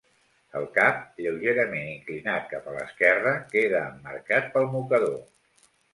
El cap, lleugerament inclinat cap a l'esquerra, queda emmarcat pel mocador.